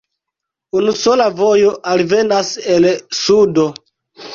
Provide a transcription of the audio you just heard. Unusola vojo alvenas el sudo.